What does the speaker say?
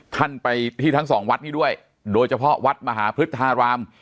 ท่านไปที่ทั้งสองวัดนี้ด้วยโดยเฉพาะวัดมหาพฤษฐาราม